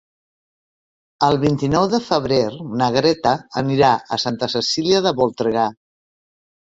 El vint-i-nou de febrer na Greta anirà a Santa Cecília de Voltregà.